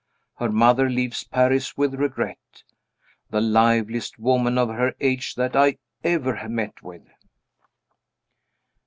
Her mother leaves Paris with regret. The liveliest woman of her age that I ever met with.